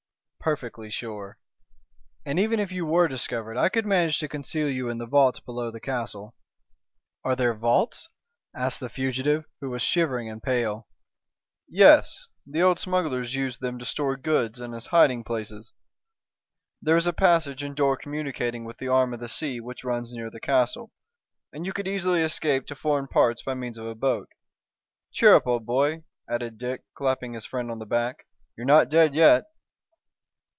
"Perfectly sure. And even if you were discovered I could manage to conceal you in the vaults below the castle." "Are there vaults?" asked the fugitive, who was shivering and pale. "Yes! The old smugglers used them to store goods and as hiding places. There is a passage and door communicating with the arm of the sea which runs near the castle, and you could easily escape to foreign parts by means of a boat. Cheer up, old boy," added Dick, clapping his friend on the back, "you're not dead yet."